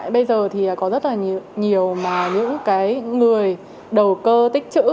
bây giờ thì có rất là nhiều những người đầu cơ tích chữ